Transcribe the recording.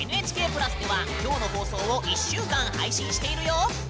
ＮＨＫ＋ではきょうの放送を１週間配信しているよ。